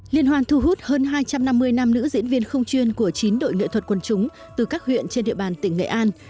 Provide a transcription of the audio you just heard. liên hoan thu hút hơn hai trăm năm mươi nam nữ diễn viên không chuyên của chín đội nghệ thuật quần chúng từ các huyện trên địa bàn tỉnh nghệ an